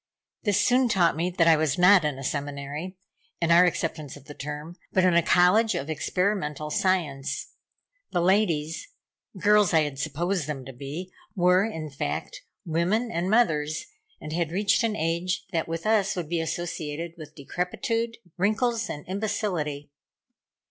This soon taught me that I was not in a seminary in our acceptance of the term but in a College of Experimental Science. The ladies girls I had supposed them to be were, in fact, women and mothers, and had reached an age that with us would be associated with decrepitude, wrinkles and imbecility.